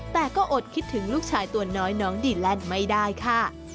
แต่ก็อดคิดถึงลูกชายตัวน้อยน้องดีแลนด์ไม่ได้ค่ะ